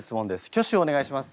挙手をお願いします。